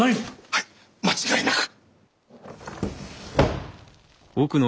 はい間違いなく。